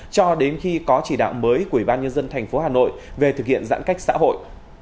cho đến khi có chỉ đạo mới của ủy ban nhân dân thành phố hà nội về thực hiện giãn cách xã hội